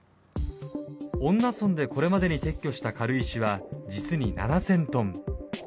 恩納村でこれまでに撤去した軽石は実に７０００トン。